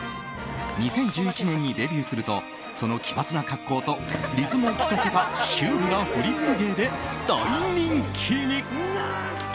２０１１年にデビューするとその奇抜な格好とリズムをきかせたシュールなフリップ芸で大人気に。